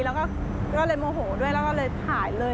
แล้วก็ก็เลยโมโหด้วยแล้วก็เลยถ่ายเลย